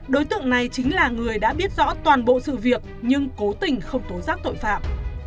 đối tượng này chính là người đã biết rõ toàn bộ sự việc nhưng cố tình không tố giác tội phạm